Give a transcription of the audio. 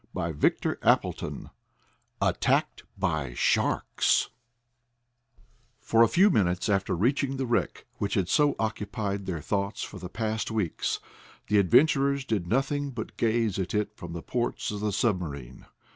Chapter Twenty Three Attacked by Sharks For a few minutes after reaching the wreck, which had so occupied their thoughts for the past weeks, the adventurers did nothing but gaze at it from the ports of the submarine.